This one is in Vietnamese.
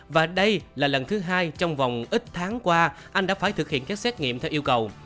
và đây là lần thứ hai trong vòng ít tháng qua anh đã phải thực hiện các xét nghiệm theo yêu cầu